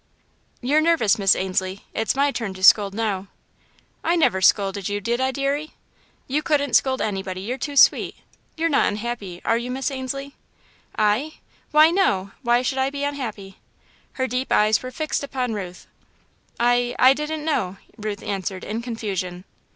"You're nervous, Miss Ainslie it's my turn to scold now." "I never scolded you, did I deary?" "You couldn't scold anybody you're too sweet. You're not unhappy, are you, Miss Ainslie?" "I? Why, no! Why should I be unhappy?" Her deep eyes were fixed upon Ruth. "I I didn't know," Ruth answered, in confusion.